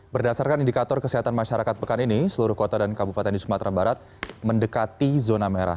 berdasarkan indikator kesehatan masyarakat pekan ini seluruh kota dan kabupaten di sumatera barat mendekati zona merah